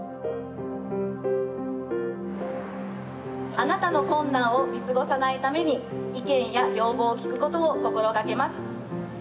あなたの困難を見過ごさないために、意見や要望を聞くことを心がけます。